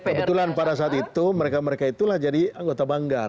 karena kebetulan pada saat itu mereka mereka itulah jadi anggota banggar